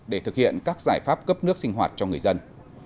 để thực hiện các giải pháp cấp nước sinh hoạt cho người dân